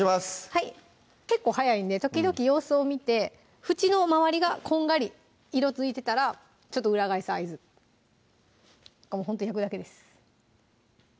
はい結構早いんで時々様子を見て縁の周りがこんがり色づいてたらちょっと裏返す合図ほんと焼くだけです